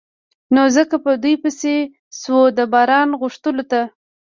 نو ځکه په دوی پسې شو د باران غوښتلو ته.